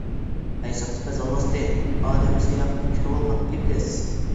-ھەي ساختىپەز ئالۋاستى، ئادەم سىياقىغا كىرىۋالغان ئىبلىس!